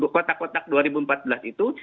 kotak kotak dua ribu empat belas itu